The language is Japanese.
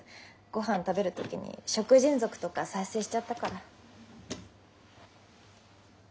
ごはん食べる時に「食人族」とか再生しちゃったから。